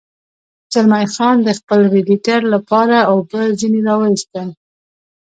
زلمی خان د خپل رېډیټر لپاره اوبه ځنې را ویستل.